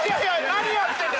何やってんだ？